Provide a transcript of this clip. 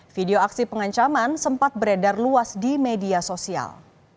video aksi pengancaman sempat beredar luas di media sosial